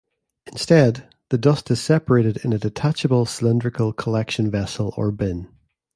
Instead, the dust is separated in a detachable cylindrical collection vessel or bin.